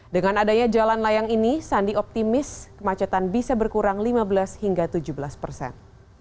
dengan adanya jalan layang ini sandi optimis kemacetan bisa berkurang lima belas hingga tujuh belas persen